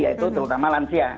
yaitu terutama lansia